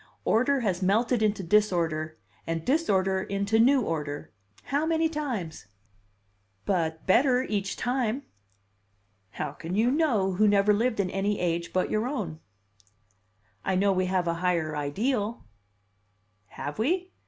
Order has melted into disorder, and disorder into new order how many times?" "But better each time." "How can you know, who never lived in any age but your own?" "I know we have a higher ideal." "Have we?